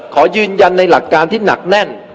ขอยืนยันในหลักการที่หนักแน่น